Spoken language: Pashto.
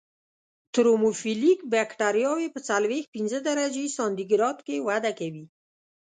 ترموفیلیک بکټریاوې په څلویښت پنځه درجې سانتي ګراد کې وده کوي.